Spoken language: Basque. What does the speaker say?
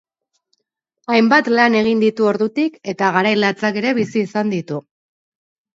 Hainbat lan egin ditu ordutik eta garai latzak ere bizi izan ditu.